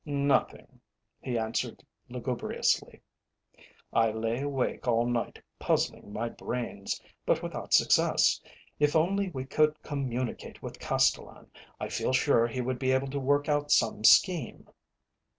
"Nothing," he answered lugubriously. "I lay awake all night puzzling my brains, but without success. If only we could communicate with Castellan, I feel sure he would be able to work out some scheme."